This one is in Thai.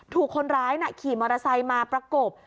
ถูกคนร้ายขี่มอเตอร์ไซค์มาประกบ